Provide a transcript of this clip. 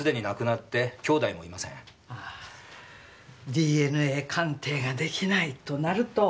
ＤＮＡ鑑定が出来ないとなると。